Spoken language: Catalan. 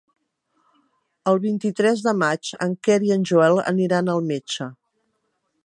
El vint-i-tres de maig en Quer i en Joel aniran al metge.